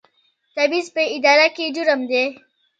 تبعیض په اداره کې جرم دی